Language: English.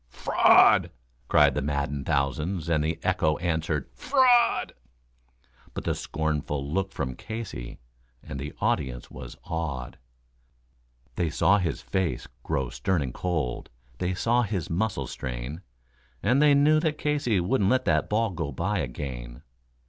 "Fraud!" cried the maddened thousands, and the echo answered, "Fraud!" But the scornful look from Casey, and the audience was awed; They saw his face grow stern and cold, they saw his muscles strain, And they knew that Casey wouldn't let that ball go by again.